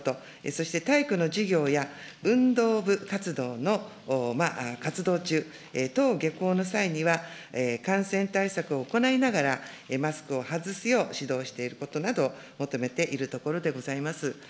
そして体育の授業や運動部活動の活動中、登下校の際には、感染対策を行いながら、マスクを外すよう指導していることなどを求めているところでございます。